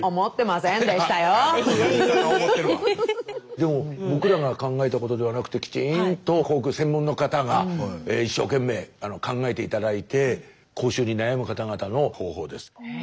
でも僕らが考えたことではなくてきちんと口腔専門の方が一生懸命考えて頂いて口臭に悩む方々の方法です。